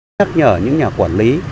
nhất nhờ những nhà quản lý